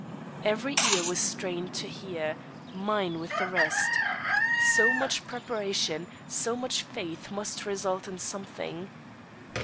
Every ear was strained to hear; mine with the rest. So much preparation, so much faith must result in something.